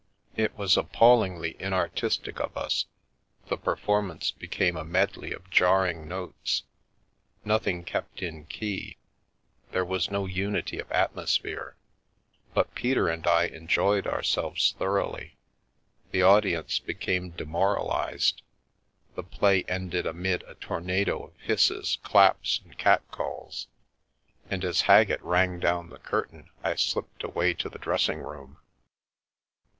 It was appallingly inartistic of us — the performance became a medley of jarring notes, nothing kept in key, there was no unity of atmosphere — but Peter and I enjoyed our selves thoroughly. The audience became demoralised, the play ended amid a tornado of hisses, claps, and cat calls; and as Haggett rang down the curtain I slipped away to the dressing room.